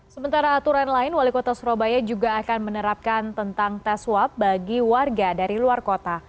sementara aturan lain wali kota surabaya juga akan menerapkan tentang tes swab bagi warga dari luar kota